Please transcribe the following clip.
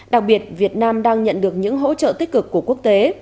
đặc biệt việt nam đang nhận được những hỗ trợ tích cực của quốc tế